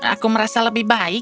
kau benar aku merasa lebih baik